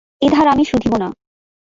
এ ধার আমি শুধিব না।